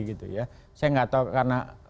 saya nggak tahu karena